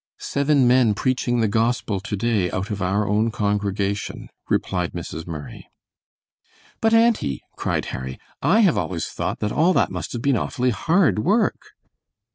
"Seven men preaching the Gospel to day out of our own congregation," replied Mrs. Murray. "But, auntie," cried Harry, "I have always thought that all that must have been awfully hard work."